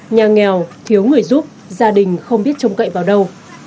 nhà nghèo thiếu người giúp gia đình không biết trông cậy vào đâu